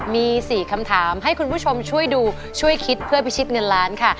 มี๔คำถามให้คุณผู้ชมช่วยดูช่วยคิดเพื่อพิชิตเงินล้านค่ะ